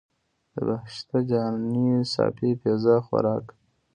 د بهشته جانې صافی پیزا خوراک.